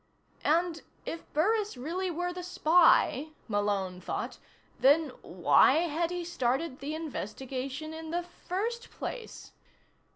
And if Burris really were the spy, Malone thought, then why had he started the investigation in the first place?